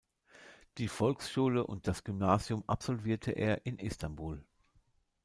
Die Volksschule und das Gymnasium absolvierte er in Istanbul.